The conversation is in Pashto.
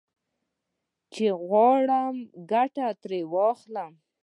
چې غواړم ګټه ترې واخلم.